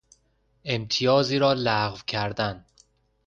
امتیازی را لغو کردن